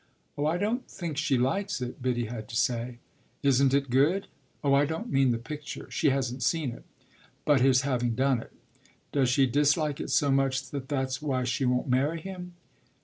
"Oh I don't think she likes it," Biddy had to say. "Isn't it good?" "Oh I don't mean the picture she hasn't seen it. But his having done it." "Does she dislike it so much that that's why she won't marry him?"